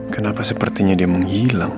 kenapa sepertinya dia menghilang